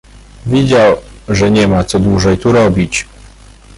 Wiedział, że nie ma co dłużej tu robić.